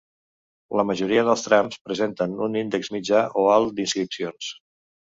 La majoria dels trams presenten un índex mitjà o alt d’inscripcions.